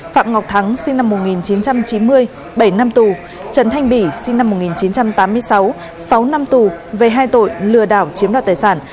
phạm ngọc thắng sinh năm một nghìn chín trăm chín mươi bảy năm tù trần thanh bỉ sinh năm một nghìn chín trăm tám mươi sáu sáu năm tù về hai tội lừa đảo chiếm đoạt tài sản